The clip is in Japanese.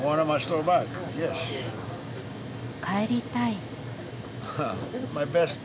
帰りたい。